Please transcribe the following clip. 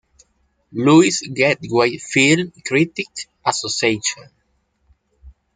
Louis Gateway Film Critics Association.